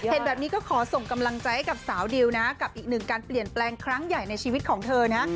เห็นแบบนี้ก็ขอส่งกำลังใจให้กับสาวดิวนะกับอีกหนึ่งการเปลี่ยนแปลงครั้งใหญ่ในชีวิตของเธอนะ